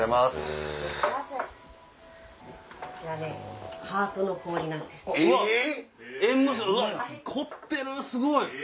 すごい。